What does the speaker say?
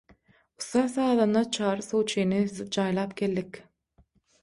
Ussat sazanda Çary suwçyny jaýlap geldik.